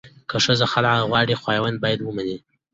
که ښځه خلع غواړي، خاوند باید ومني.